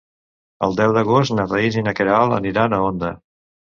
El deu d'agost na Thaís i na Queralt aniran a Onda.